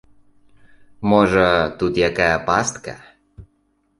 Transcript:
Можа, тут якая пастка?